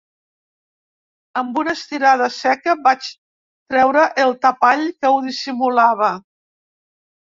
Amb una estirada seca vaig treure el tapall que ho dissimulava.